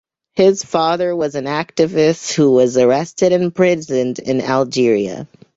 His father was an activist who was arrested and imprisoned in Algeria.